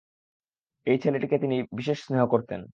এই ছেলেটিকে তিনি বিশেষ স্নেহ করতেন।